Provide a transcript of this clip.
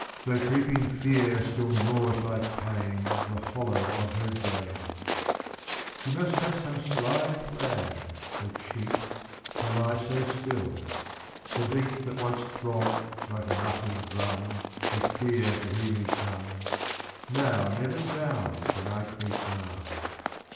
Though creeping Fear still gnaws like pain The hollow of her brain. She must have some sly plan, the cheat, To lie so still. The beat That once throbbed like a muffled drum With fear to hear me come, Now never sounds when I creep nigh.